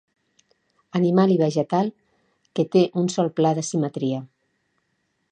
Animal i vegetal, que té un sol pla de simetria.